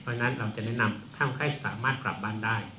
เพราะฉะนั้นเราจะแนะนำข้ามไข้สามารถกลับบ้านได้